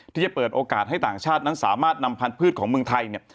ที่จะเปิดโอกาสให้ต่างชาตินั้นสามารถนำพันธุ์ของเมืองไทยเนี่ย